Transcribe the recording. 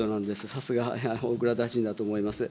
さすが小倉大臣だと思います。